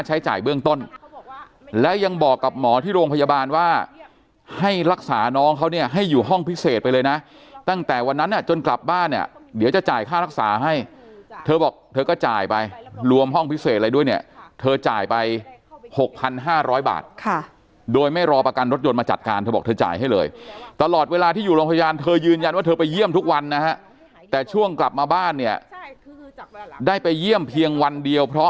เทรดไปเลยนะตั้งแต่วันนั้นจนกลับบ้านเนี่ยเดี๋ยวจะจ่ายค่ารักษาให้เธอบอกเธอก็จ่ายไปรวมห้องพิเศษอะไรด้วยเนี่ยเธอจ่ายไป๖๕๐๐บาทค่ะโดยไม่รอประกันรถยนต์มาจัดการเธอบอกเธอจ่ายให้เลยตลอดเวลาที่อยู่รองพยาบาลเธอยืนยันว่าเธอไปเยี่ยมทุกวันนะแต่ช่วงกลับมาบ้านเนี่ยได้ไปเยี่ยมเพียงวันเดี